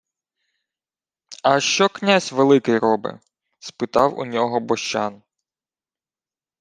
— А що князь Великий робе? — спитав у нього Бощан.